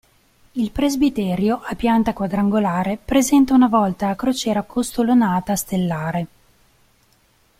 Il presbiterio, a pianta quadrangolare, presenta una volta a crociera costolonata stellare.